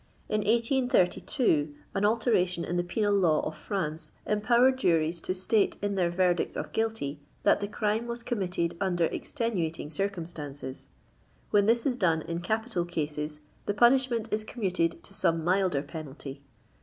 In 1832 an alteration in the penal law of France empowered juries to state in their verdicts of guilty that the crime was committed under ex tenuating circumstances. When this is done in capital cases, the pu nishment is commuted to some milder penalty.